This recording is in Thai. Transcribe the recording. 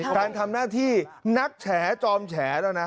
การทำหน้าที่นักแฉจอมแฉแล้วนะ